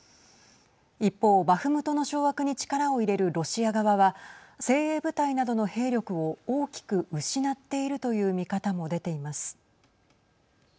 一方バフムトの掌握に力を入れるロシア側は精鋭部隊などの兵力を大きく失っているという見方も出ています。